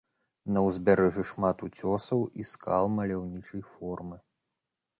На ўзбярэжжы шмат уцёсаў і скал маляўнічай формы.